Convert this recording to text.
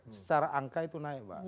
secara angka itu naik pak